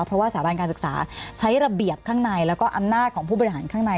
เพราะว่าสถาบันการศึกษาใช้ระเบียบข้างในแล้วก็อำนาจของผู้บริหารข้างใน